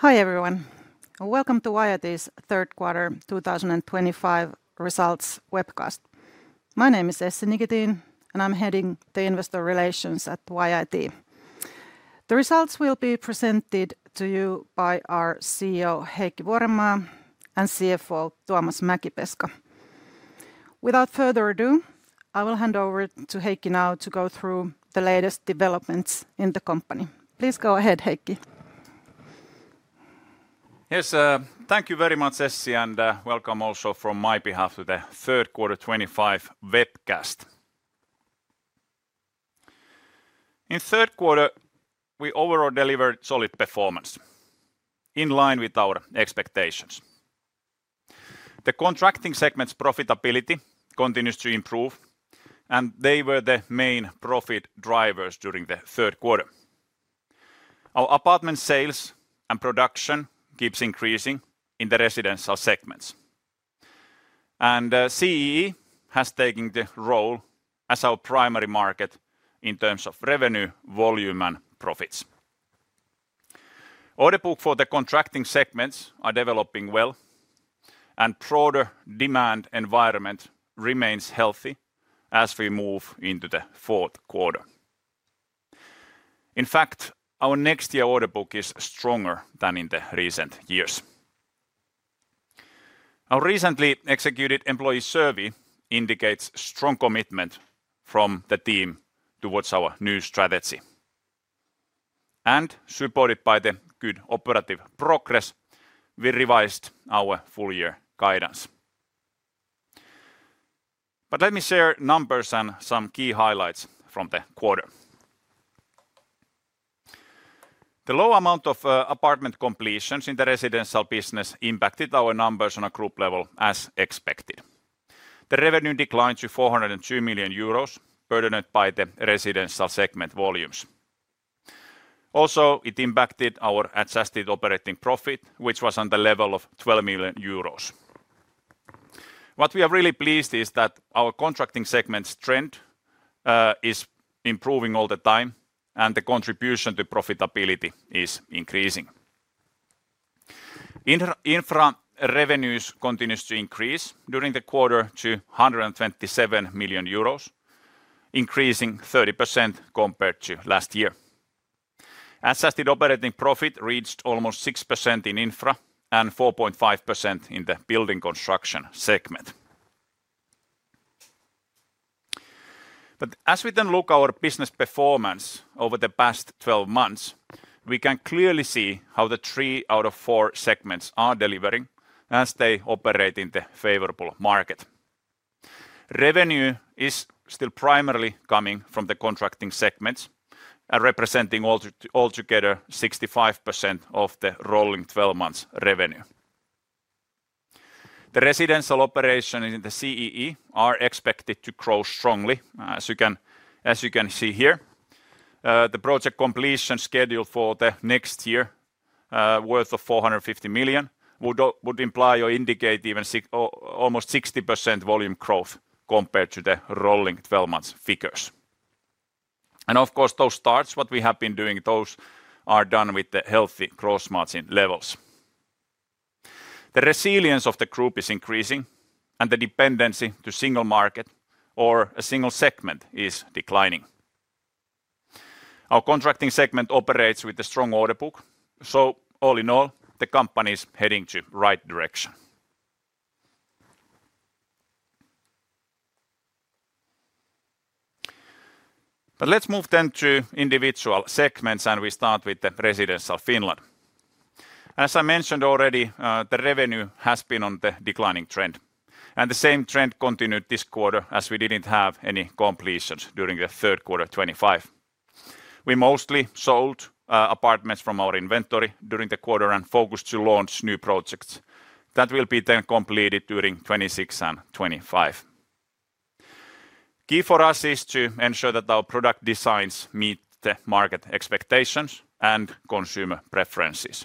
Hi everyone. Welcome to YIT's third quarter 2025 results webcast. My name is Essi Nikitin and I'm heading the Investor Relations at YIT. The results will be presented to you by our CEO Heikki Vuorenmaa and CFO Tuomas Mäkipeska. Without further ado, I will hand over to Heikki now to go through the latest developments in the company. Please go ahead Heikki. Yes, thank you very much Essi and welcome also from my behalf to the third quarter 2025 webcast. In third quarter we overall delivered solid performance in line with our expectations. The contracting segment's profitability continues to improve and they were the main profit drivers during the third quarter. Our apartment sales and production keeps increasing in the Residential segments and CEE has taken the role as our primary market in terms of revenue, volume, and profits. Order book for the contracting segments are developing well and broader demand environment remains healthy as we move into the fourth quarter. In fact, our next year order book is stronger than in the recent years. Our recently executed employee survey indicates strong commitment from the team towards our new strategy and supported by the good operative progress, we revised our full year guidance. Let me share numbers and some key highlights from the quarter. The low amount of apartment completions in the residential business impacted our numbers on a group level. As expected, the revenue declined to 402 million euros, burdened by the Residential segment volumes. Also, it impacted our adjusted operating profit which was on the level of 12 million euros. What we are really pleased is that our contracting segment's trend is improving all the time and the contribution to profitability is increasing. Infra revenues continues to increase during the quarter to 127 million euros, increasing 30% compared to last year. Adjusted operating profit reached almost 6% in infra and 4.5% in the Building Construction segment. As we then look our business performance over the past 12 months, we can clearly see how the three out of four segments are delivering as they operate in the favorable market. Revenue is still primarily coming from the contracting segments representing altogether 65% of the rolling 12 months revenue. The residential operations in the CEE are expected to grow strongly. As you can see here, the project completion schedule for the next year worth 450 million would imply or indicate even almost 60% volume growth compared to the rolling 12 months figures. Of course those starts what we have been doing, those are done with the healthy gross margin levels. The resilience of the group is increasing and the dependency to single market or a single segment is declining. Our contracting segment operates with a strong order book. All in all, the company is heading in the right direction. Let's move to individual segments, and we start with the Residential Finland. As I mentioned already, the revenue has been on a declining trend, and the same trend continued this quarter as we didn't have any completions during third quarter 2025. We mostly sold apartments from our inventory during the quarter and focused to launch new projects that will be then completed during 2026 and 2025. Key for us is to ensure that our product designs meet the market expectations and consumer preferences.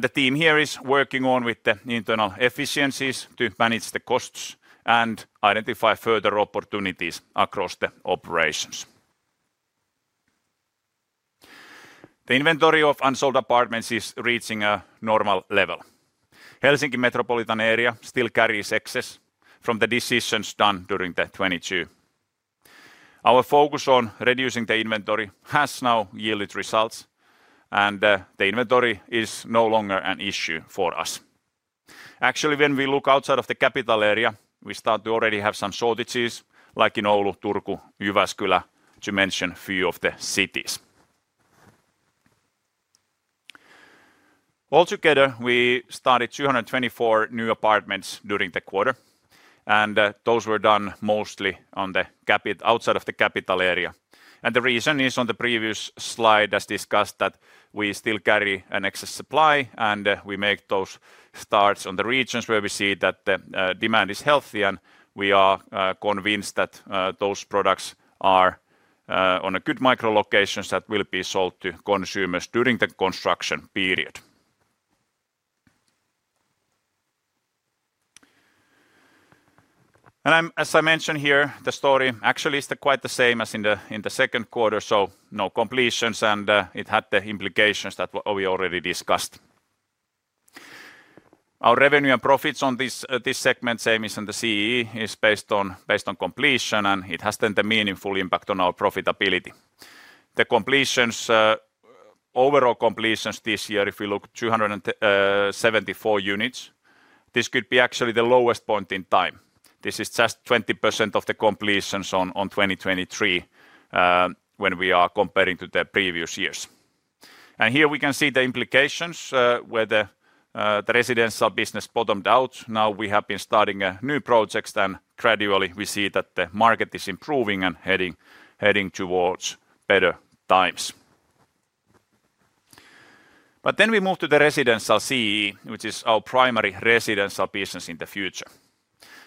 The team here is working on internal efficiencies to manage the costs and identify further opportunities across the operations. The inventory of unsold apartments is reaching a normal level. Helsinki metropolitan area still carries excess from the decisions done during 2022. Our focus on reducing the inventory has now yielded results, and the inventory is no longer an issue for us. Actually, when we look outside of the capital area, we start to already have some shortages, like in all of Turku, to mention a few of the cities. Altogether, we started 224 new apartments during the quarter, and those were done mostly outside of the capital area. The reason is on the previous slide as discussed, that we still carry an excess supply, and we make those starts in the regions where we see that the demand is healthy and we are convinced that those products are on a good micro location that will be sold to consumers during the construction period. As I mentioned here, the story actually is quite the same as in the second quarter. No completions, and it had the implications that we already discussed. Our revenue and profits on this segment, same as in the CEE, is based on completion, and it has then a meaningful impact on our profitability. The completions, overall completions this year, if we look at 274 units, this could be actually the lowest point in time. This is just 20% of the completions in 2023. When we are comparing to the previous years here, we can see the implications whether the residential business bottomed out. Now we have been starting new projects, and gradually we see that the market is improving and heading towards better times. We move to the Residential CEE, which is our primary residential business in the future.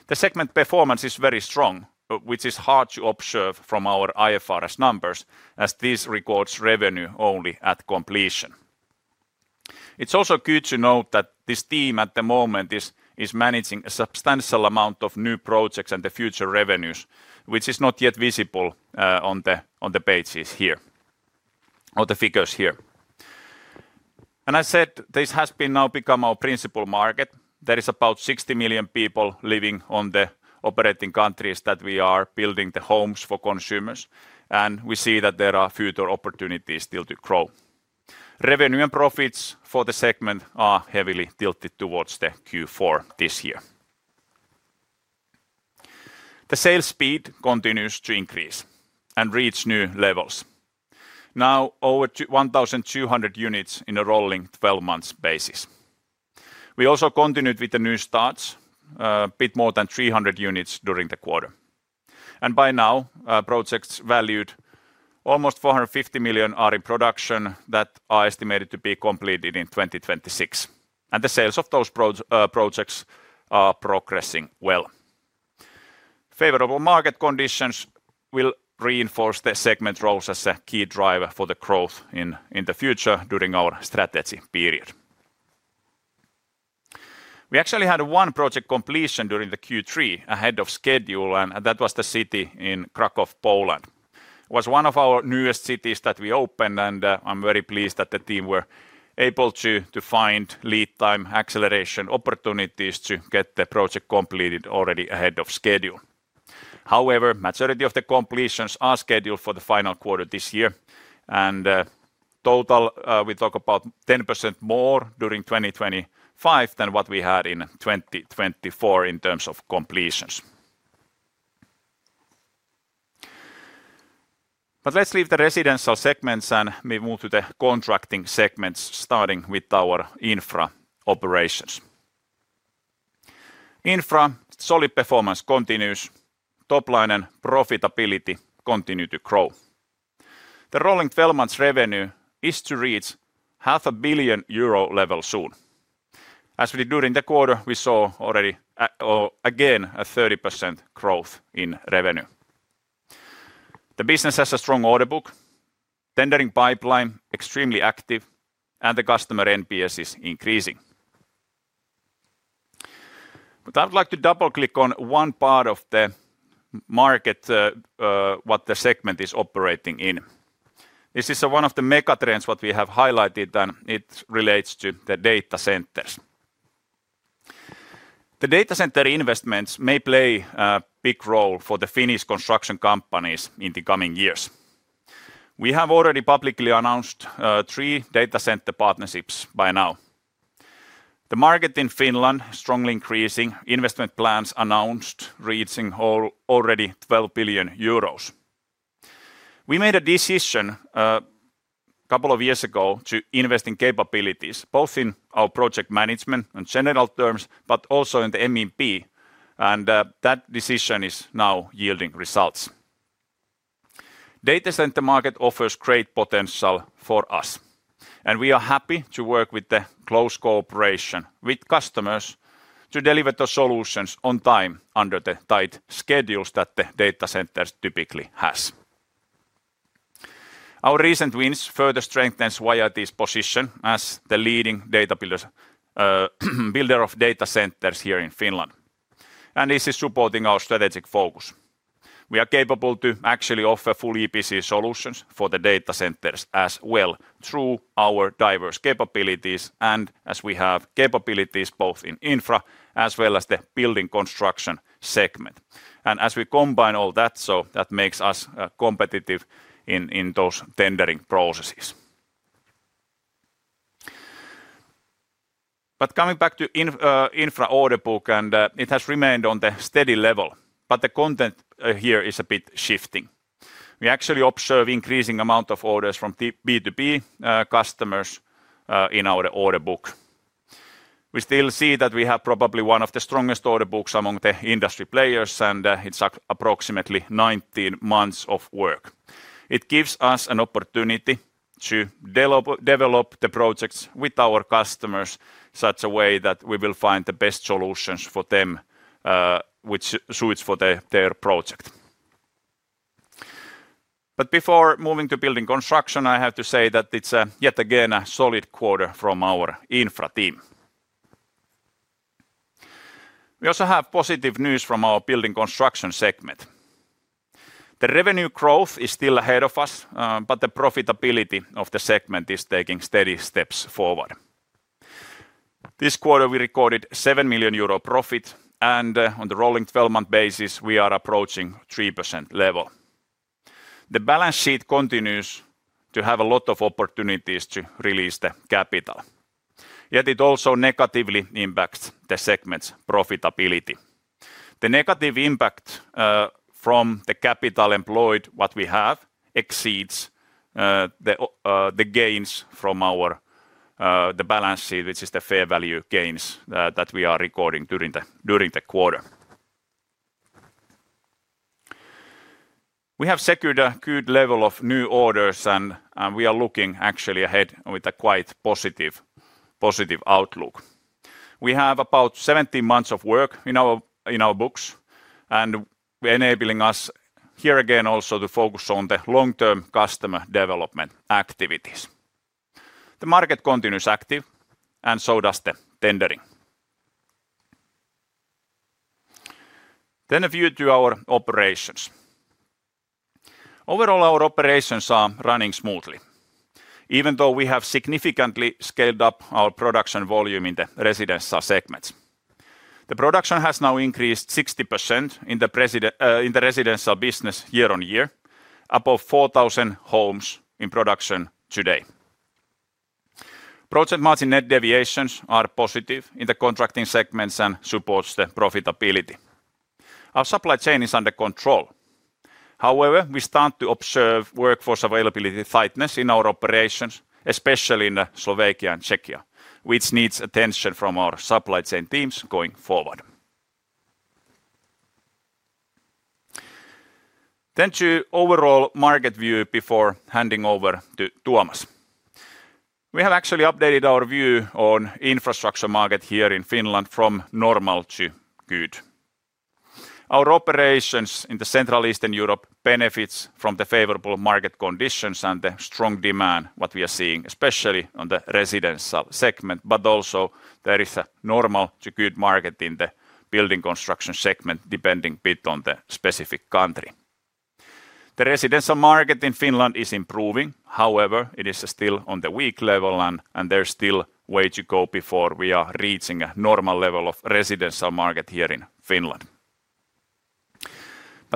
The segment performance is very strong, which is hard to observe from our IFRS numbers as this records revenue only at completion. It's also good to note that this team at the moment is managing a substantial amount of new projects and the future revenues which is not yet visible on the pages here or the figures here. I said this has now become our principal market. There are about 60 million people living in the operating countries that we are building the homes for consumers, and we see that there are future opportunities still to grow. Revenue and profits for the segment are heavily tilted towards Q4 this year. The sales speed continues to increase and reach new levels, now over 1,200 units on a rolling 12 months basis. We also continued with the new starts, a bit more than 300 units during the quarter. By now, projects valued at almost 450 million are in production that are estimated to be completed in 2026, and the sales of those projects are progressing well. Favorable market conditions will reinforce the segment's role as a key driver for the growth in the future. During our strategy period, we actually had one project completion during Q3 ahead of schedule, and that was the city in Kraków, Poland. It was one of our newest cities that we opened, and I'm very pleased that the team were able to find lead time acceleration opportunities to get the project completed already ahead of schedule. However, the majority of the completions are scheduled for the final quarter this year, and in total we talk about 10% more during 2025 than what we had in 2024 in terms of completions. Let's leave the Residential segments and move to the contracting segments, starting with our infra operations. Infra solid performance continues; top line and profitability continue to grow. The rolling 12 months revenue is to reach 500 million euro level soon. As we did during the quarter, we saw already again a 30% growth in revenue. The business has a strong order book, tendering pipeline extremely active, and the customer NPS is increasing. I would like to double-click on one part of the market that the segment is operating in. This is one of the megatrends that we have highlighted, and it relates to the data centers. The data center investments may play a big role for the Finnish construction companies in the coming years. We have already publicly announced three data center partnerships. By now, the market in Finland has strongly increasing investment plans announced, reaching already 12 billion euros. We made a decision a couple of years ago to invest in capabilities both in our project management and general terms, but also in the MMP. That decision is now yielding results. Data center market offers great potential for us, and we are happy to work with the close cooperation with customers to deliver the solutions on time under the tight schedules that the data centers typically have. Our recent wins further strengthen YIT's position as the leading builder of data centers here in Finland. This is supporting our strategic focus. We are capable to actually offer full EPC solutions for the data centers as well, through our diverse capabilities, and as we have capabilities both in Infra as well as the Building Construction segment, and as we combine all that, that makes us competitive in those tendering processes. Coming back to infra order book, it has remained on the steady level, but the content here is a bit shifting. We actually observe increasing amount of orders from B2B customers in our order book. We still see that we have probably one of the strongest order books among the industry players, and it's approximately 19 months of work. It gives us an opportunity to develop the projects with our customers in such a way that we will find the best solutions for them which suits for their project. Before moving to Building Construction, I have to say that it's yet again a solid quarter from our infra team. We also have positive news from our Building Construction segment. The revenue growth is still ahead of us, but the profitability of the segment is taking steady steps forward. This quarter we recorded 7 million euro profit, and on the rolling 12-month basis we are approaching 3% level. The balance sheet continues to have a lot of opportunities to release the capital, yet it also negatively impacts the segment's profitability. The negative impact from the capital employed that we have exceeds the gains from the balance sheet, which is the fair value gains that we are recording during the quarter. We have secured a good level of new orders, and we are looking actually ahead with a quite positive outlook. We have about 17 months of work in our books, enabling us here again also to focus on the long-term customer development activities. The market continues active, and so does the tendering. A view to our operations: overall, our operations are running smoothly. Even though we have significantly scaled up our production volume in the Residential segments, the production has now increased 60% in the residential business year on year above 4,000 homes in production today. Project margin net deviations are positive in the contracting segments and supports the profitability. Our supply chain is under control. However, we start to observe workforce availability tightness in our operations, especially in Slovakia and Czechia, which needs attention from our supply chain teams going forward. To overall market view before handing over to Tuomas, we have actually updated our view on infrastructure market here in Finland from normal to good. Our operations in Central and Eastern Europe benefit from the favorable market conditions and the strong demand. What we are seeing especially on the Residential segment, but also there is a normal market in the Building Construction segment depending a bit on the specific country. The residential market in Finland is improving. However, it is still on the weak level and there's still way to go before we are reaching a normal level of residential market here in Finland.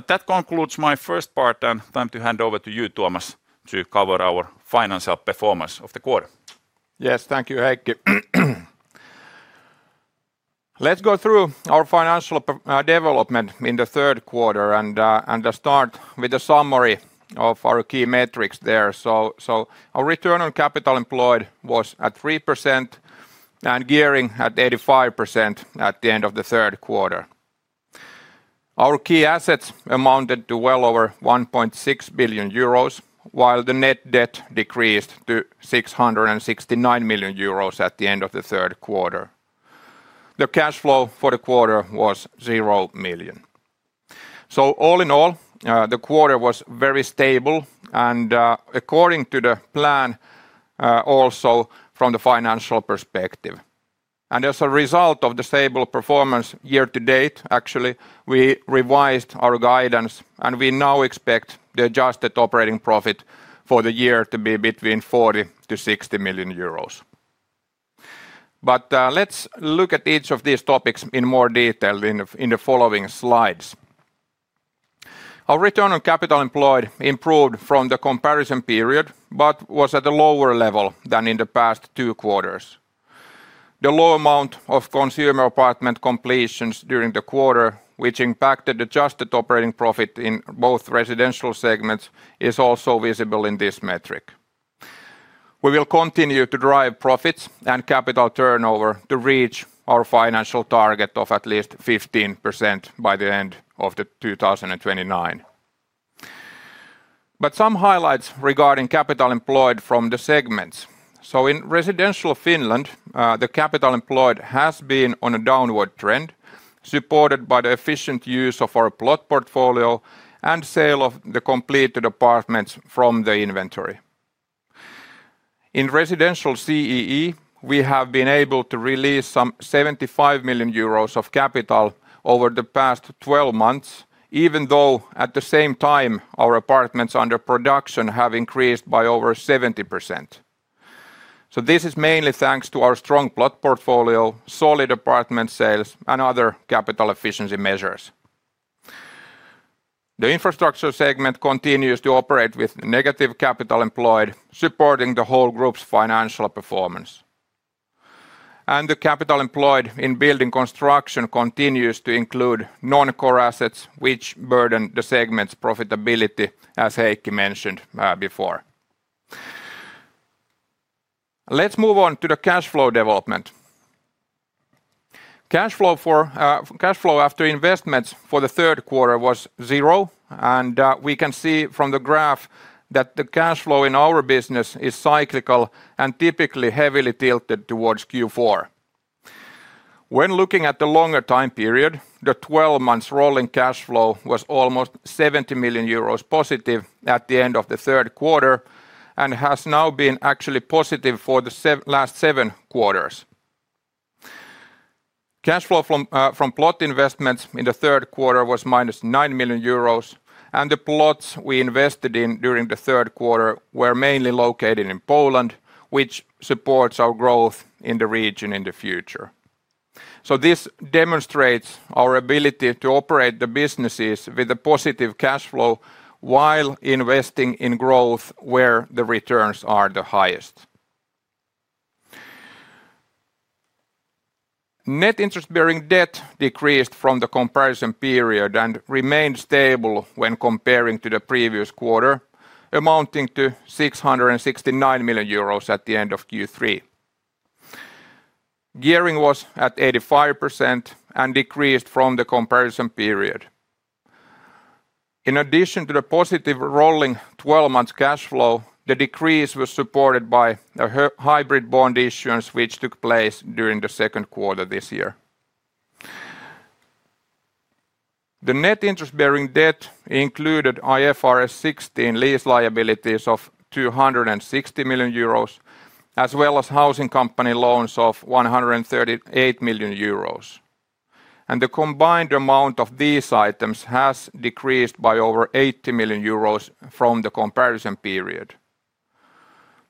That concludes my first part and time to hand over to you, Tuomas, to cover our financial performance of the quarter. Yes, thank you Heikki. Let's go through our financial development in the third quarter and start with a summary of our key metrics. There our return on capital employed was at 3% and gearing at 85% at the end of the third quarter. Our key assets amounted to well over 1.6 billion euros while the net debt decreased to 669 million euros at the end of the third quarter. The cash flow for the quarter was 0 million. All in all, the quarter was very stable and according to the plan, also from the financial perspective and as a result of the stable performance year to date. Actually, we revised our guidance and we now expect the adjusted operating profit for the year to be between 40 million-60 million euros. Let's look at each of these topics in more detail in the following slides. Our return on capital employed improved from the comparison period but was at a lower level than in the past two quarters. The low amount of consumer apartment completions during the quarter, which impacted adjusted operating profit in both Residential segments, is also visible in this metric. We will continue to drive profits and capital turnover to reach our financial target of at least 15% by the end of 2029. Some highlights regarding capital employed from the segments. In Residential Finland, the capital employed has been on a downward trend supported by the efficient use of our plot portfolio and sale of the completed apartments from the inventory. In Residential CEE, we have been able to release some 75 million euros of capital over the past 12 months even though at the same time our apartments under production have increased by over 70%. This is mainly thanks to our strong plot portfolio, solid apartment sales, and other capital efficiency measures. The Infrastructure segment continues to operate with negative capital employed, supporting the whole group's financial performance, and the capital employed in Building Construction continues to include non-core assets which burden the segment's profitability as Heikki mentioned before. Let's move on to the cash flow development. Cash flow after investments for the third quarter was zero and we can see from the graph that the cash flow in our business is cyclical and typically heavily tilted towards Q4. When looking at the longer time period, the 12 months rolling cash flow was almost 70 million euros positive at the end of the third quarter and has now been actually positive for the last seven quarters. Cash flow from plot investments in the third quarter was -9 million euros and the plots we invested in during the third quarter were mainly located in Poland, which supports our growth in the region in the future. This demonstrates our ability to operate the businesses with a positive cash flow while investing in growth where the returns are the highest. Net interest-bearing debt decreased from the comparison period and remained stable when comparing to the previous quarter, amounting to 669 million euros at the end of Q3. Gearing was at 85% and decreased from the comparison period. In addition to the positive rolling 12 months cash flow, the decrease was supported by hybrid bond issuance which took place during the second quarter this year. The net interest-bearing debt included IFRS 16 lease liabilities of 260 million euros as well as housing company loans of 138 million euros, and the combined amount of these items has decreased by over 80 million euros from the comparison period.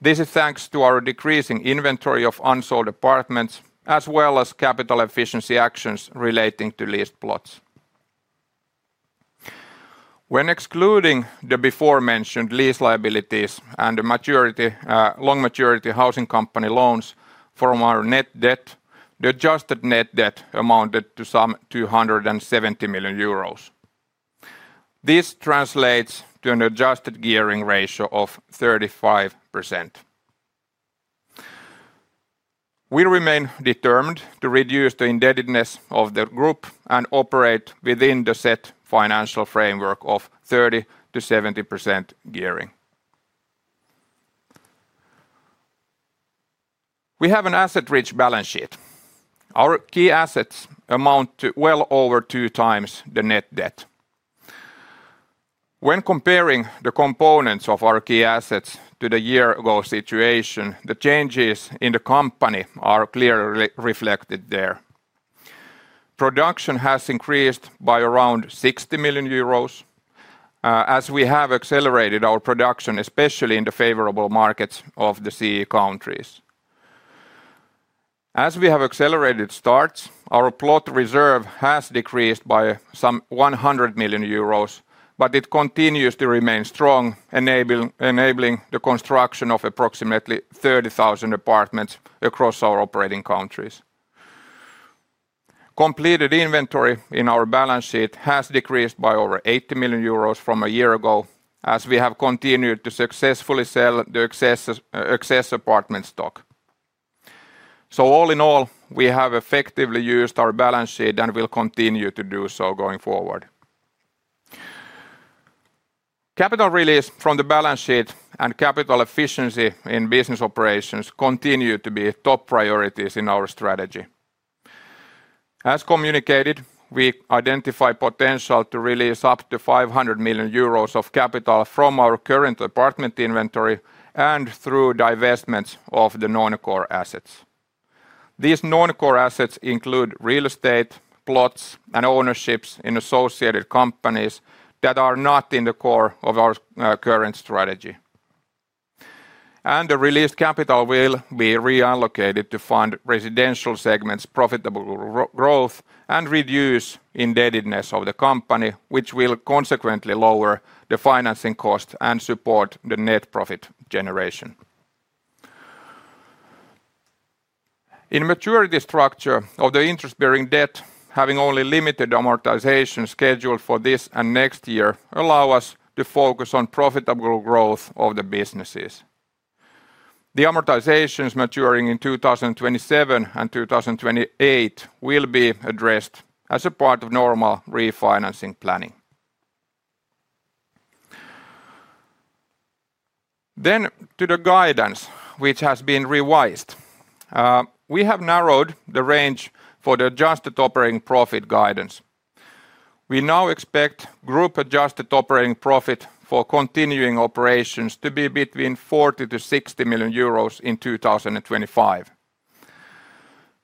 This is thanks to our decreasing inventory of unsold apartments as well as capital efficiency actions relating to leased plots. When excluding the before mentioned lease liabilities and the long maturity housing company loans from our net debt, the adjusted net debt amounted to some 270 million euros. This translates to an adjusted gearing ratio of 35%. We remain determined to reduce the indebtedness of the group and operate within the set financial framework of 30%-70% gearing. We have an asset rich balance sheet. Our key assets amount to well over 2x the net debt. When comparing the components of our key assets to the year ago situation, the changes in the company are clearly reflected there. Production has increased by around 60 million euros as we have accelerated our production, especially in the favorable markets of the CEE countries. As we have accelerated starts, our plot reserve has decreased by some 100 million euros, but it continues to remain strong, enabling the construction of approximately 30,000 apartments across our operating countries. Completed inventory in our balance sheet has decreased by over 80 million euros from a year ago as we have continued to successfully sell the excess apartment stock. All in all, we have effectively used our balance sheet and will continue to do so going forward. Capital release from the balance sheet and capital efficiency in business operations continue to be top priorities in our strategy. As communicated, we identify potential to release up to 500 million euros of capital from our current apartment inventory and through divestments of the non-core assets. These non-core assets include real estate plots and ownerships in associated companies that are not in the core of our current strategy, and the released capital will be reallocated to fund Residential segment's profitable growth and reduce indebtedness of the company, which will consequently lower the financing cost and support the net profit generation. In maturity structure of the interest-bearing debt. Having only limited amortization scheduled for this and next year allows us to focus on profitable growth of the businesses. The amortizations maturing in 2027 and 2028 will be addressed as a part of normal refinancing planning. Regarding the guidance which has been revised, we have narrowed the range for the adjusted operating profit guidance. We now expect group adjusted operating profit for continuing operations to be between 40 million-60 million euros in 2025.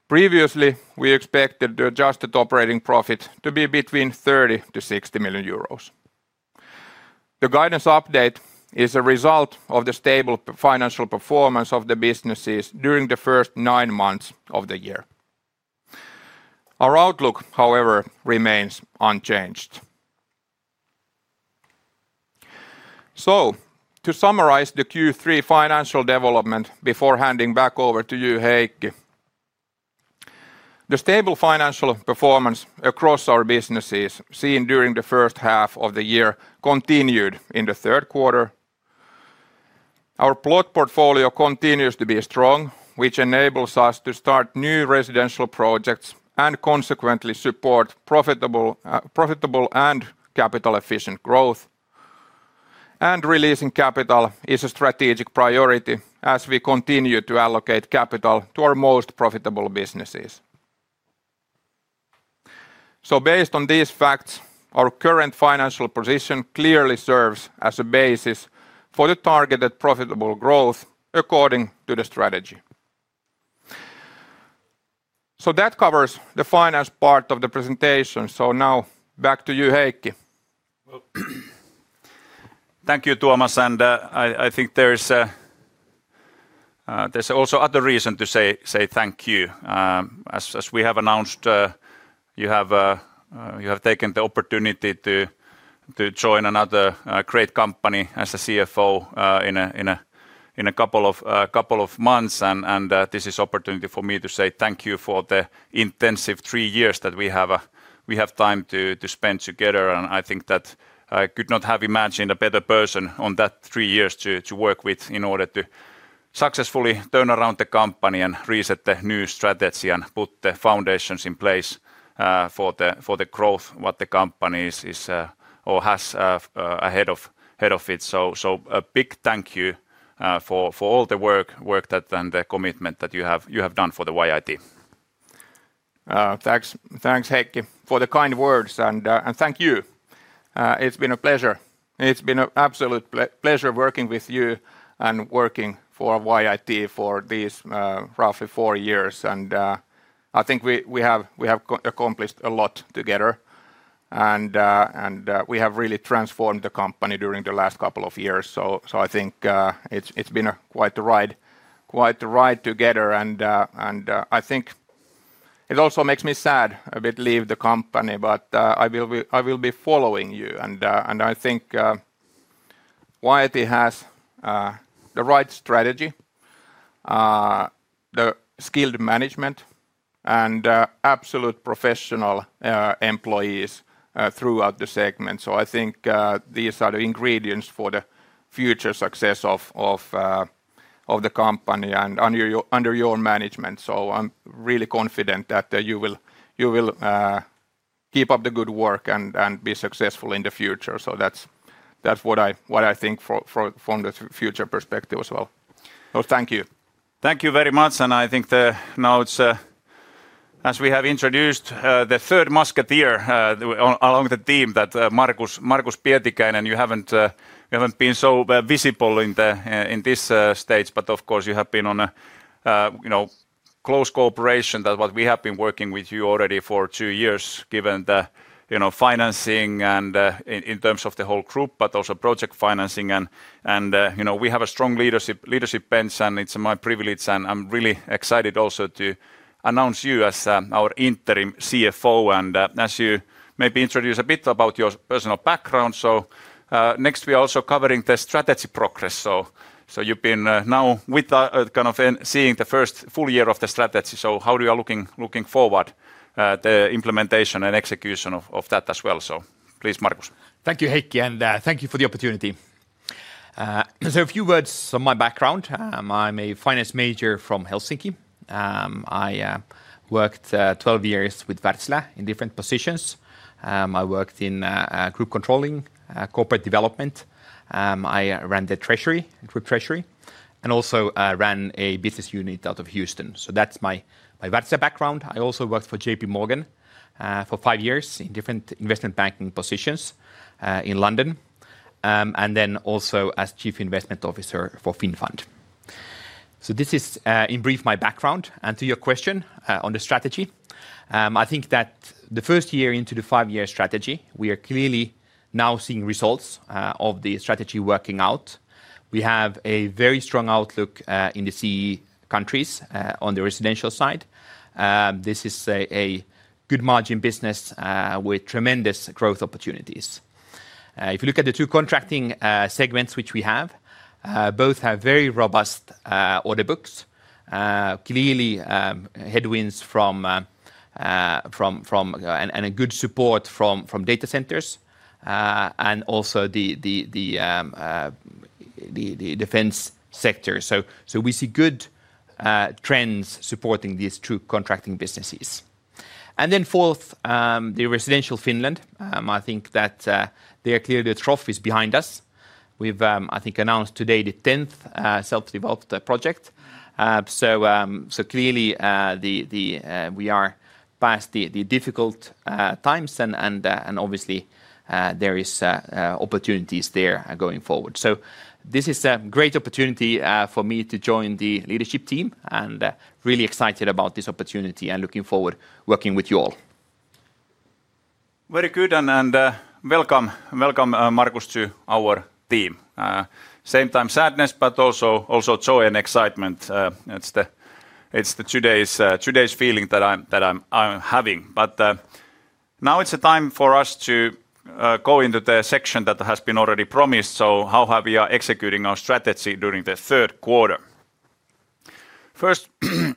Previously, we expected the adjusted operating profit to be between 30 million-60 million euros. The guidance update is a result of the stable financial performance of the businesses during the first nine months of the year. Our outlook, however, remains unchanged. To summarize the Q3 financial development before handing back over to you, Heikki, the stable financial performance across our businesses seen during the first half of the year continued in the third quarter. Our plot portfolio continues to be strong, which enables us to start new residential projects and consequently support profitable and capital-efficient growth, and releasing capital is a strategic priority as we continue to allocate capital to our most profitable businesses. Based on these facts, our current financial position clearly serves as a basis for the targeted profitable growth according to the strategy. That covers the finance part of the presentation. Now back to you, Heikki. Thank you, Tuomas. I think there's also another reason to say thank you. As we have announced, you have taken the opportunity to join another great company as a CFO in a couple of months, and this is an opportunity for me to say thank you for the intensive three years that we have. We have had time to spend together, and I think that I could not have imagined a better person in those three years to work with in order to successfully turn around the company and reset the new strategy and put the foundations in place for the growth that the company has ahead of it. A big thank you for all the work and the commitment that you have done for YIT. Thanks, Heikki, for the kind words and thank you. It's been a pleasure, it's been an absolute pleasure working with you and working for YIT for these roughly four years and I think we have accomplished a lot together and we have really transformed the company during the last couple of years. I think it's been quite, quite a ride together and it also makes me sad a bit to leave the company. I will be following you and I think YIT has the right strategy, the skilled management and absolute professional employees throughout the segment. I think these are the ingredients for the future success of the company and under your management. I'm really confident that you will keep up the good work and be successful in the future. That's what I think from the future perspective as well. Thank you. Thank you very much. I think now as we have introduced the third musketeer along the team, that Markus Pietikäinen, you haven't been so visible on this stage, but of course you have been in close cooperation with what we have been working with you already for two years, given the financing and in terms of the whole group, but also project financing. We have a strong leadership bench, and it's my privilege and I'm really excited also to announce you as our Interim CFO. As you maybe introduce a bit about your personal background, next we are also covering the strategy progress. You've been now with kind of seeing the first full year of the strategy. How do you look forward to the implementation and execution of that as well? Please, Markus. Thank you, Heikki, and thank you for the opportunity. A few words on my background. I'm a finance major from Helsinki. I worked 12 years with Wärtsilä in different positions. I worked in Group Controlling, Corporate Development. I ran the Treasury, Group Treasury, and also ran a business unit out of Houston. That's my Wärtsilä background. I also worked for JPMorgan for five years in different investment banking positions in London and then also as Chief Investment Officer for Finnfund. This is in brief my background. To your question on the strategy, I think that the first year into the five-year strategy we are clearly now seeing results of the strategy working out. We have a very strong outlook in the CEE countries. On the residential side, this is a good margin business with tremendous growth opportunities. If you look at the two contracting segments which we have, both have very robust order books, clearly headwinds, and good support from data centers and also the defense sector. We see good trends supporting these two contracting businesses. In Residential Finland, I think that clearly the trough is behind us. We've announced today the 10th self-developed project. Clearly, we are past the difficult times and obviously there are opportunities there going forward. This is a great opportunity for me to join the leadership team. I'm really excited about this opportunity and looking forward to working with you all. Very good and welcome, welcome Markus to our team. Same time sadness but also joy and excitement. It's the today's feeling that I'm having. Now it's a time for us to go into the section that has been already promised. How we are executing our strategy during the third quarter? First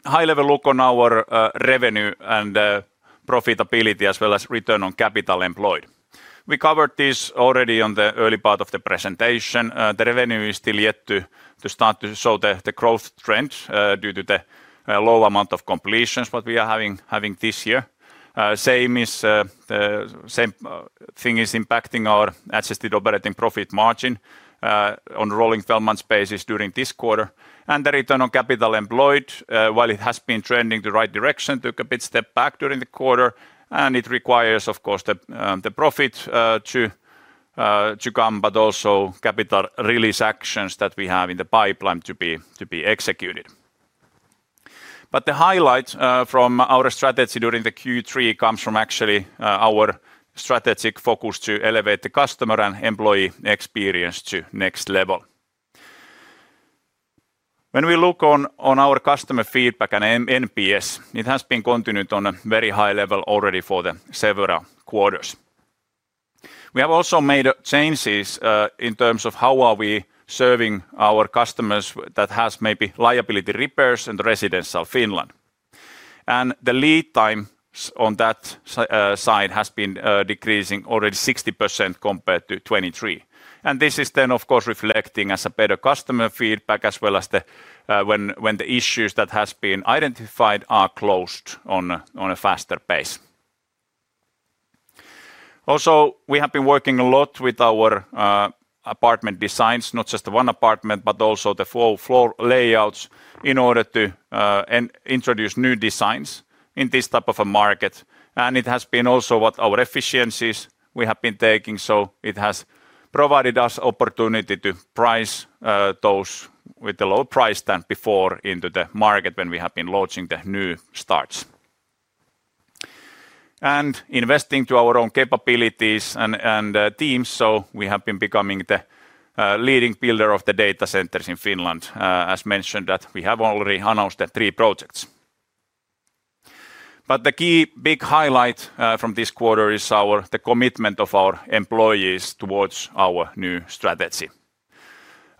high level look on our revenue and profitability as well as return on capital employed. We covered this already on the early part of the presentation. The revenue is still yet to start to show the growth trend due to the low amount of completions. What we are having this year. Same thing is impacting our adjusted operating profit margin on rolling 12 months basis during this quarter. The return on capital employed, while it has been trending the right direction, took a bit step back during the quarter and it requires of course the profit to come, but also capital release actions that we have in the pipeline to be executed. The highlight from our strategy during the Q3 comes from actually our strategic focus to elevate the customer and employee experience to next level. When we look on our customer feedback and NPS, it has been continued on a very high level already for several quarters. We have also made changes in terms of how are we serving our customers. That has maybe liability repairs and Residential Finland and the lead times on that side has been decreasing already 60% compared to 2023. This is then of course reflecting as a better customer feedback as well as when the issues that has been identified are closed on a faster pace. We have been working a lot with our apartment designs. Not just one apartment, but also the floor layouts in order to introduce new designs in this type of a market. It has been also what our efficiencies we have been taking. It has provided us opportunity to price those with the lower price than before into the market when we have been launching the new starts and investing to our own capabilities and teams. We have been becoming the leading builder of the data centers in Finland. As mentioned that we have already announced three projects. The key big highlight from this quarter is the commitment of our employees towards our new strategy.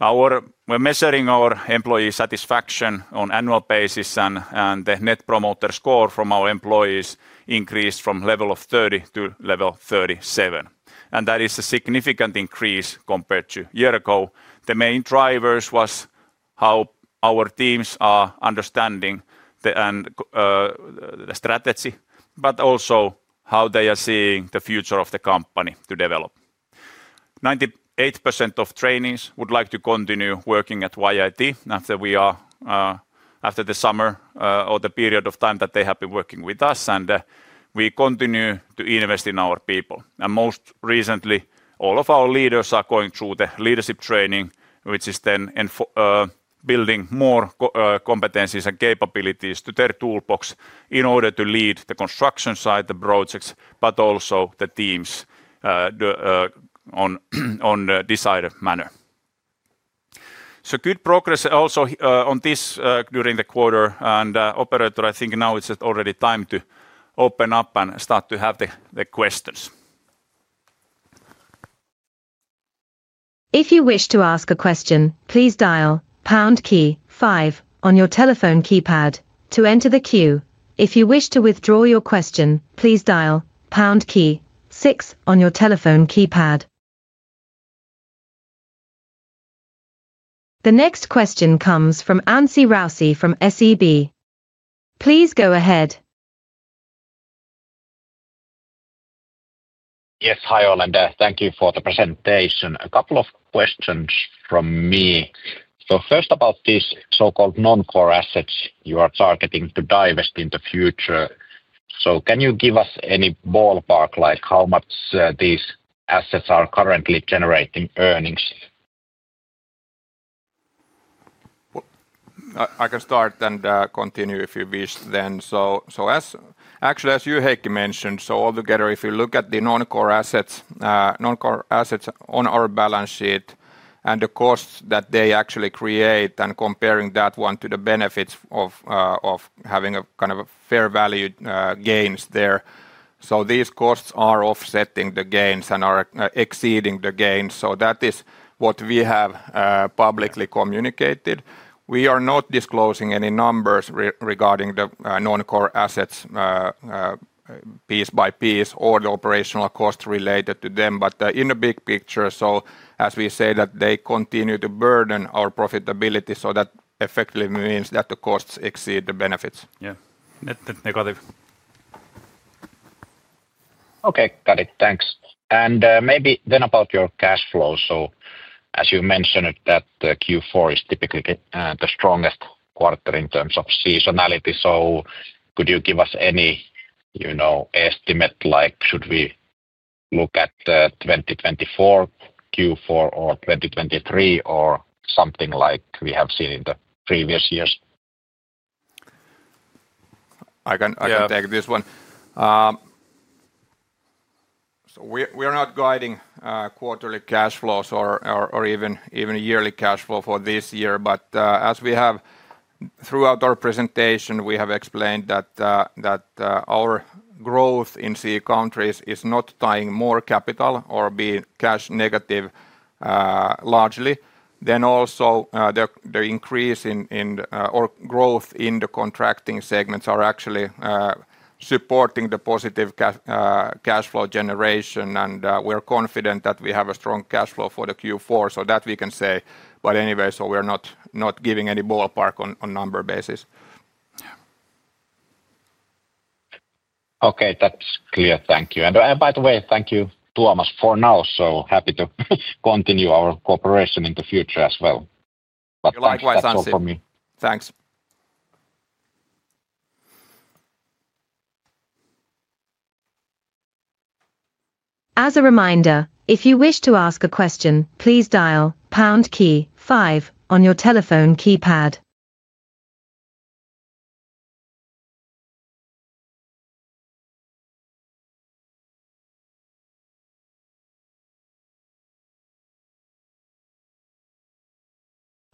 We're measuring our employee satisfaction on annual basis and the Net Promoter Score from our employees increased from level of 30 to level 37. That is a significant increase compared to a year ago. The main drivers was how our teams are understanding the strategy, but also how they are seeing the future of the company to develop. 98% of trainees would like to continue working at YIT after we are after the summer or the period of time that they have been working with us. We continue to invest in our people. Most recently, all of our leaders are going through the leadership training, which is then building more competencies and capabilities to their toolbox in order to lead the construction side, the projects, but also the teams on decided manner. Good progress also on this during the quarter. Operator, I think now it's already time to open up and start to have the questions. If you wish to ask a question, please dial pound key five on your telephone keypad to enter the queue. If you wish to withdraw your question, please dial pound key six on your telephone keypad. The next question comes from Anssi Raussi from SEB, please go ahead. Yes, hi. Thank you for the presentation. A couple of questions from me. First, about these so-called non-core assets you are targeting to divest in the future. Can you give us any ballpark, like how much these assets are currently generating earnings? I can start and continue if you wish then. Actually, as Heikki mentioned, altogether if you look at the non-core assets on our balance sheet and the costs that they actually create and compare that to the benefits of having a kind of fair value gains there, these costs are offsetting the gains and are exceeding the gains. That is what we have publicly communicated. We are not disclosing any numbers regarding the non-core assets piece by piece or the operational costs related to them, but in the big picture, as we say, they continue to burden our profitability. That effectively means that the costs exceed the benefits. Yeah, negative. Okay, got it, thanks. Maybe about your cash flow. As you mentioned that Q4 is typically the strongest quarter in terms of seasonality, could you give us any estimate, like should we look at 2024 Q4 or 2023 or something like we have seen in the previous years? I can take this one. We are not guiding quarterly cash flows or even yearly cash flow for this year. As we have throughout our presentation, we have explained that our growth in CEE countries is not tying more capital or being cash negative largely. Also, the increase or growth in the contracting segments are actually supporting the positive cash flow generation and we're confident that we have a strong cash flow for Q4, so that we can say. Anyway, we're not giving any ballpark on number basis. Okay, that's clear. Thank you. By the way, thank you Tuomas for now. Happy to continue our cooperation in the future as well. Thanks. As a reminder, if you wish to ask a question, please dial pound key five on your telephone keypad.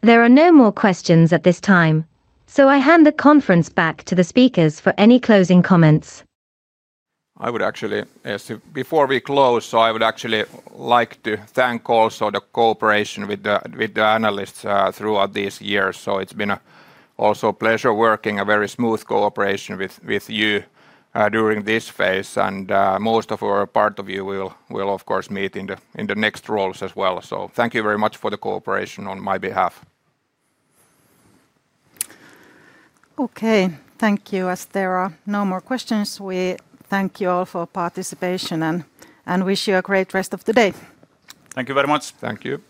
There are no more questions at this time. I hand the conference back to the speakers for any closing comments. Before we close, I would actually like to thank also the cooperation with the analysts throughout these years. It's been a pleasure working, a very smooth cooperation with you during this phase. Most of or part of you will, of course, meet in the next roles as well. Thank you very much for the cooperation on my behalf. Okay. Thank you. As there are no more questions, we thank you all for your participation and wish you a great rest of the day. Thank you very much. Thank you.